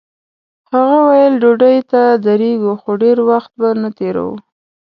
هغه ویل ډوډۍ ته درېږو خو ډېر وخت به نه تېروو.